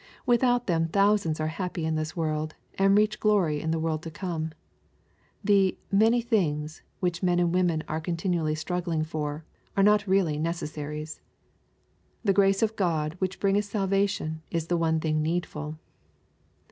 Without them thousands are happy in this world, and reach glory in the world to come. The " many things" which men and women are continually struggling for, are not really necessaries. The grace of Grod which bringeth salvation is the one thing needful.